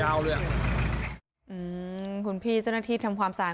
หื้อคุณพี่เวที่ย่อความสาล